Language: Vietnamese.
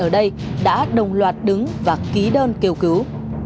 ở đây đã đồng loạt đứng và ký đơn kêu cứu